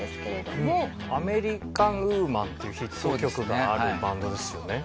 『アメリカン・ウーマン』っていうヒット曲があるバンドですよね？